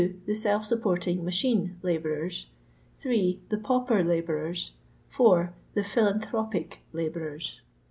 The self supporting machine labourers. 8. The pauper labourers. 4. The " philanthropic" labourers.